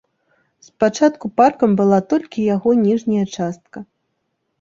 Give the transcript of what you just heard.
Спачатку паркам была толькі яго ніжняя частка.